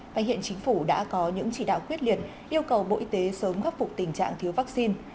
và hiện chính phủ đã có những chỉ đạo quyết liệt yêu cầu bộ y tế sớm khắc phục tình trạng thiếu vaccine